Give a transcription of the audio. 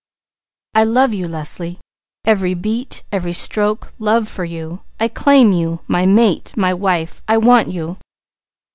I love you, Leslie! Every beat, every stroke, love for you. I claim you! My mate! My wife! I want you!"